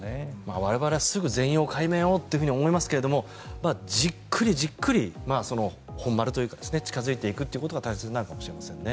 我々はすぐ全容解明をと思いますけれどもじっくりじっくり、本丸というか近付いていくということが大切になるかもしれませんね。